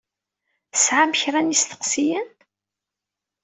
Tesɛam kra n yisteqsiyen?